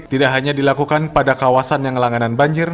tidak hanya dilakukan pada kawasan yang langganan banjir